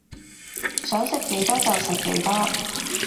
想食幾多就食幾多